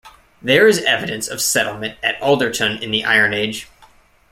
There is evidence of settlement at Alderton in the Iron Age.